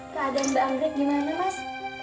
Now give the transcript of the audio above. keadaan banget gimana mas